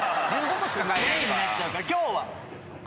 今日は。